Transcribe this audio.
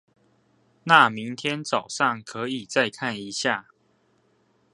那明天早上可以再看一下